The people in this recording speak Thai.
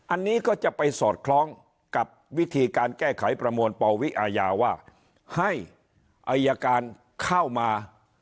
อันนี้ก็จะไปสอดคล้องกับวิธีการแก้ไขประมวลปวิอาญาว่าให้อายการเข้ามา